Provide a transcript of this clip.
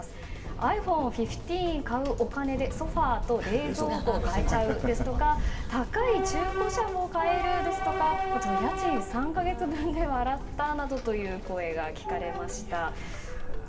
ｉＰｈｏｎｅ１５を買うお金でソファと冷蔵庫が買えちゃうですとか高い中古車も買えるですとか家賃３か月分で笑ったなどという声が聞かれました。